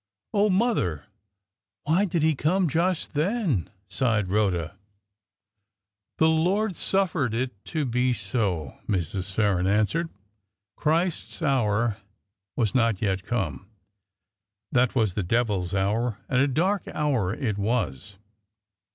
"Oh! mother, why did he come just then?" sighed Rhoda. "The Lord suffered it to be so," Mrs. Farren answered. "Christ's hour was not yet come. That was the devil's hour, and a dark hour it was."